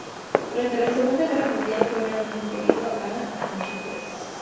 Durante la Segunda Guerra Mundial, fue gravemente herido en Ypres.